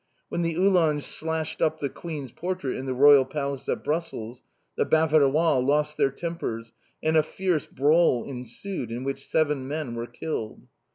When the Uhlans slashed up the Queen's portrait in the Royal Palace at Brussels the "Baverois" lost their tempers, and a fierce brawl ensued, in which seven men were killed.